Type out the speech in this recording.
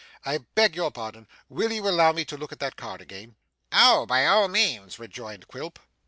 I beg your pardon; will you allow me to look at that card again?' 'Oh! by all means,' rejoined Quilp.